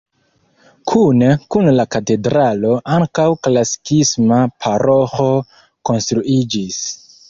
Kune kun la katedralo ankaŭ klasikisma paroĥo konstruiĝis.